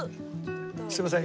すみません。